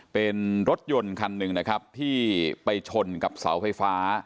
เป็นรถยนต์คันหนึ่งนะครับที่ไปชนกับเสาไฟฟ้า